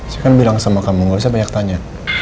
saya kan bilang sama kamu gak usah banyak tanya